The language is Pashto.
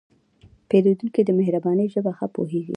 پیرودونکی د مهربانۍ ژبه ښه پوهېږي.